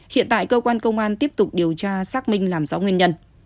hiện tại cơ quan công an tiếp tục điều tra xác minh làm rõ nguyên nhân